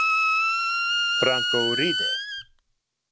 Franco ride.